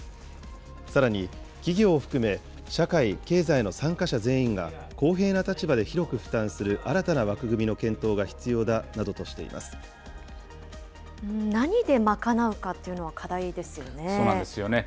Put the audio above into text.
さらに、企業を含め、社会・経済の参加者全員が公平な立場で広く負担する新たな枠組み何で賄うかというのは課題でそうなんですよね。